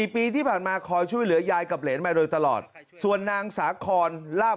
ปีที่ผ่านมาคอยช่วยเหลือยายกับเหรนมาโดยตลอดส่วนนางสาคอนลาบ